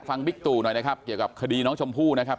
บิ๊กตู่หน่อยนะครับเกี่ยวกับคดีน้องชมพู่นะครับ